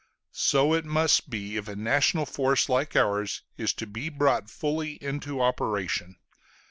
So it must be, if a national force like ours is to be brought fully into operation.